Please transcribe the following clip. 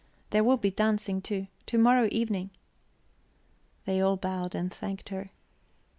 There will be dancing too. To morrow evening." They all bowed and thanked her.